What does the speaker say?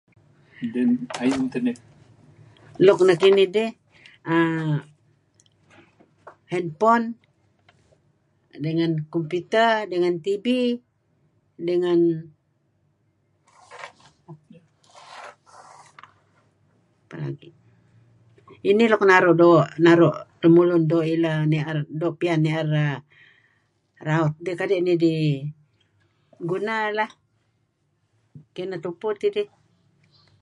Luk nekinih dih handphone may computer ngen TV dengan, inih nuk naru' lemulun doo' ileh doo' pian nier raut dih kadi' neh idih guna lah. Kinah tupu tidih.